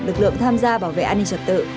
lực lượng tham gia bảo vệ an ninh trật tự